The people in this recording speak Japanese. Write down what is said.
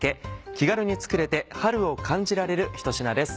気軽に作れて春を感じられる１品です。